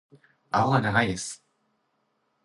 顎が長いです。